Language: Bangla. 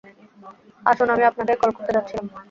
আসুন, আমি আপনাকেই কল করতে যাচ্ছিলাম।